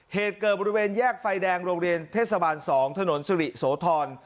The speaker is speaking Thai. เหตุเกิดบริเวณแยกไฟแดงโรงเรียนเทศบาล๒ถนนสุริโสธร